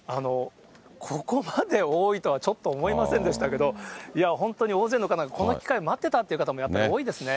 ここまで多いとはちょっと思いませんでしたけど、いや、本当に大勢の方がこの機会を待ってたという方もやっぱり多いですね。